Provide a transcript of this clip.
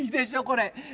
これ。